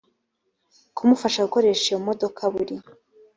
kumufasha gukoresha iyo modoka buri